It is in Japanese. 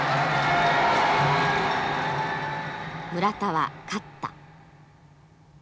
村田は勝った。